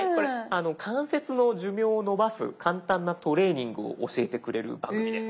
関節の寿命を延ばす簡単なトレーニングを教えてくれる番組です。